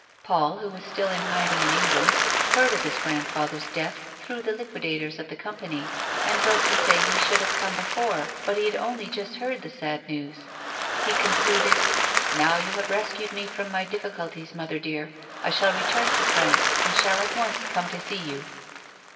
Paul, who was still in hiding in England, heard of his grandfather's death through the liquidators of the company, and wrote to say he should have come before, but lie had only just heard the sad news. He concluded —" Now you have rescued me from my difficulties, mother dear, I shall return to France, and shall at once come to see you."